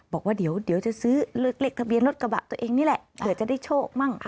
บอกว่าเดี๋ยวจะซื้อเลขทะเบียนรถกระบะตัวเองนี่แหละเผื่อจะได้โชคมั่ง